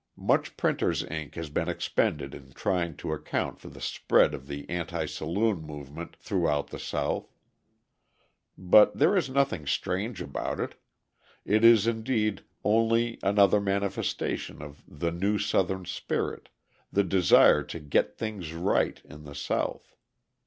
Much printers' ink has been expended in trying to account for the spread of the anti saloon movement throughout the South. But there is nothing strange about it: it is, indeed, only another manifestation of the new Southern spirit, the desire to get things right in the South.